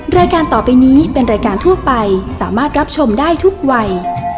รายการต่อไปนี้เป็นรายการทั่วไปสามารถรับชมได้ทุกวัย